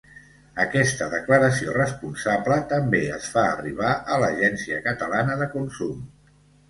Aquesta declaració responsable també es fa arribar a l'Agència Catalana de Consum.